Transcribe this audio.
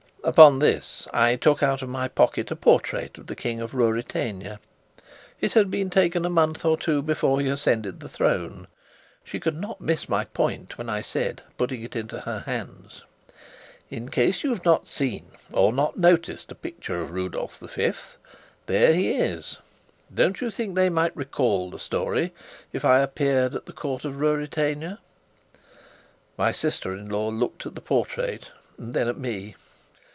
Upon this, I took out of my pocket a portrait of the King of Ruritania. It had been taken a month or two before he ascended the throne. She could not miss my point when I said, putting it into her hands: "In case you've not seen, or not noticed, a picture of Rudolf V, there he is. Don't you think they might recall the story, if I appeared at the Court of Ruritania?" My sister in law looked at the portrait, and then at me.